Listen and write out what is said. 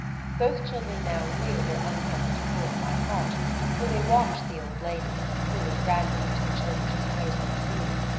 Both children now knew their unpleasant poem by heart; so they watched the old lady, who was grandmother to the children she supposed them to be.